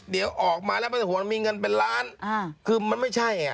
เดี๋ยวออกมาแล้วมันห่วงมีเงินเป็นล้านคือมันไม่ใช่อ่ะ